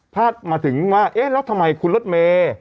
พลาดมาถึงว่าเอ๊แล้วทำไมคุณรถเม